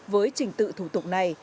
với trình tự thủ tục này